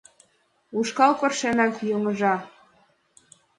Ушкал тыршенак йоҥыжа.